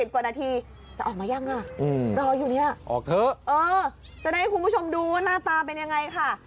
กว่านาทีจะออกมายังอ่ะรออยู่เนี่ยออกเถอะจะได้ให้คุณผู้ชมดูว่าหน้าตาเป็นยังไงค่ะ